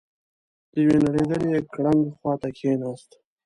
د يوې نړېدلې ګړنګ خواته کېناست.